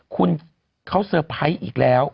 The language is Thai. คุณเขาเซอร์ไพรส์อีกแล้ว